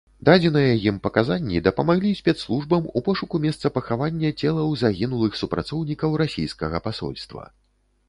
Дадзеныя ім паказанні дапамаглі спецслужбам ў пошуку месца пахавання целаў загінулых супрацоўнікаў расійскага пасольства.